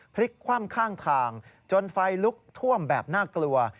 พลิกคว่ำข้างทางจนไฟลุกท่วมแบบน่ากลัว